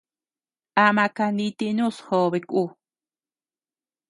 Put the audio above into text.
Ama kanitinus jobeku.